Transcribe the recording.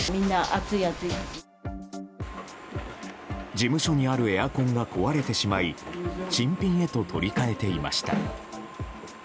事務所にあるエアコンが壊れてしまい新品へと取り替えていました。